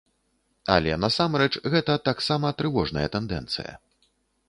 Але насамрэч гэта таксама трывожная тэндэнцыя.